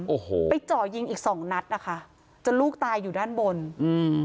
โอ้โหไปเจาะยิงอีกสองนัดนะคะจนลูกตายอยู่ด้านบนอืม